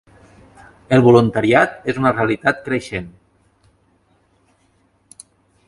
El voluntariat és una realitat creixent.